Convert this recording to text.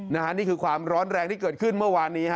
นี่คือความร้อนแรงที่เกิดขึ้นเมื่อวานนี้